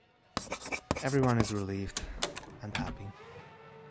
Everyone is relieved... and happy.